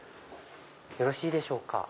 よろしいでしょうか？